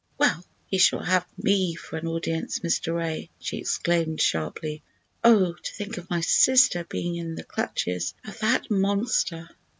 "Well, he shall have me for an audience, Mr. Ray," she exclaimed, sharply. "Oh, to think of my sister being in the clutches of that monster!"